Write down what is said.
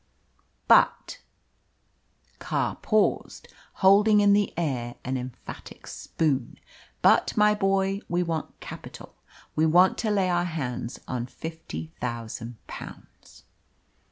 "But " Carr paused, holding in the air an emphatic spoon. "But, my boy, we want capital, we want to lay our hands on fifty thousand pounds."